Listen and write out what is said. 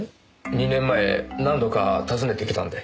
２年前何度か訪ねてきたんで。